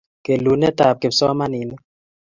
kelunet ap kipsomaninik